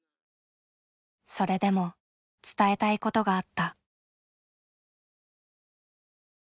それでも伝えたいことがあった。